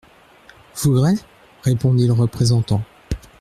Fougueray ? répondit le représentant.